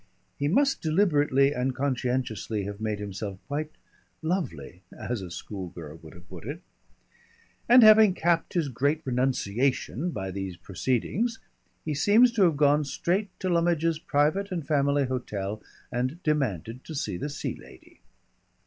He must deliberately and conscientiously have made himself quite "lovely," as a schoolgirl would have put it. And having capped his great "renunciation" by these proceedings, he seems to have gone straight to Lummidge's Private and Family Hotel and demanded to see the Sea Lady.